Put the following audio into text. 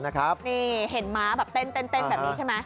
นี่เห็นม้าแบบเต้นแบบนี้ใช่ไหม